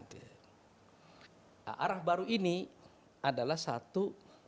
dan arah baru ini adalah satu